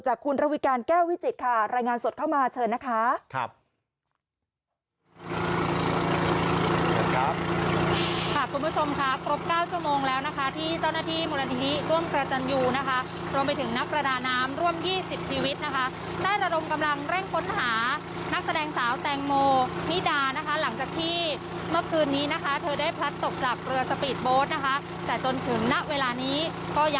คุณระวิการแก้ววิจิตค่ะรายงานสดเข้ามาเชิญนะคะ